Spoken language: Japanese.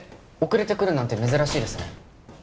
遅れてくるなんて珍しいですね